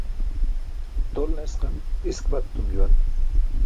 Tol nesqan isk pʰat etum juwan.